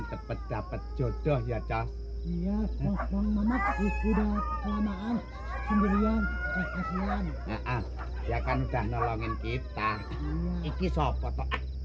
tepat dapat jodoh ya joss iya udah selama lamanya sendiri yang ya kan udah nolongin kita ini sopot